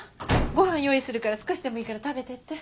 ご飯用意するから少しでもいいから食べていって。